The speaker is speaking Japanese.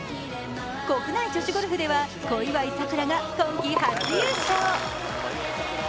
国内女子ゴルフでは小祝さくらが今季初優勝。